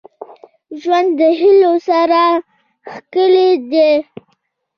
• ژوند د هيلو سره ښکلی دی.